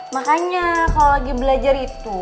makanya kalau lagi belajar itu